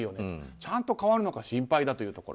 ちゃんと変わるのか心配だというところ。